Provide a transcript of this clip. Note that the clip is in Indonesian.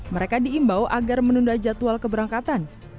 mereka diimbau agar menunda jadwal keberangkatan